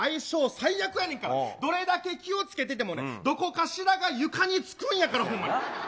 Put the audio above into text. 最悪やねんから、どれだけ気をつけててもね、どこかしらが床につくんやから、ほんまに。